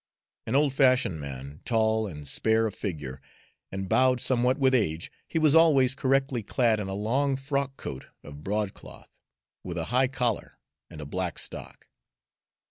An old fashioned man, tall and spare of figure and bowed somewhat with age, he was always correctly clad in a long frock coat of broadcloth, with a high collar and a black stock.